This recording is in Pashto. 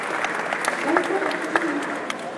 ایا صبر کوئ؟